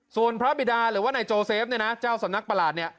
ส่วนพระบิดาหรือว่าในโจเซฟจ้าวสมนักประหลาด